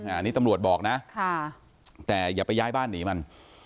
อันนี้ตำรวจบอกนะแต่อย่าไปย้ายบ้านหนีมัน